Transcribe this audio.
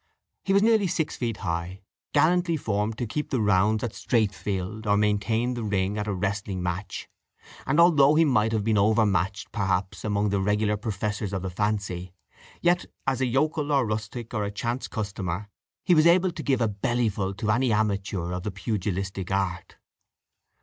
He was nearly six feet high, gallantly formed to keep the rounds at Sraithfield, or maintain the ring at a wrestling match; and although he might have been over matched, perhaps, among the regular professors of the fancy, yet, as a yokel or rustic, or a chance customer, he was able to give a bellyful to any amateur of the pugilistic art.